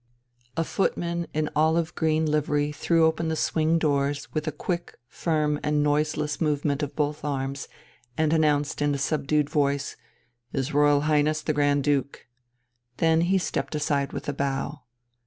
A footman in olive green livery threw open the swing doors with a quick, firm, and noiseless movement of both arms, and announced in a subdued voice: "His Royal Highness the Grand Duke." Then he stepped aside with a bow.